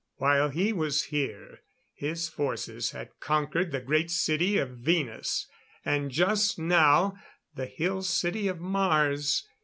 While he was here his forces had conquered the Great City of Venus, and just now, the Hill City of Mars.